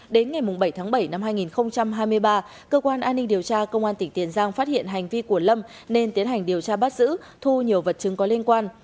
đến ngày bảy tháng bảy năm hai nghìn hai mươi ba cơ quan an ninh điều tra công an tỉnh tiền giang phát hiện hành vi của lâm nên tiến hành điều tra bắt giữ thu nhiều vật chứng có liên quan